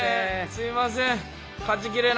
すいません。